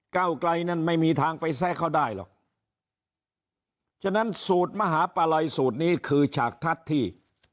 เก้าไกลนั้นไม่มีทางไปแซะเขาได้หรอกฉะนั้นสูตรมหาปลาลัยสูตรนี้คือฉากทัศน์ที่